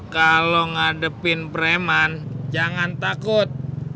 kalo ngadepin breman jangan takut